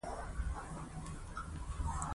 هغه په مېز باندې مرتبان ته ورغى.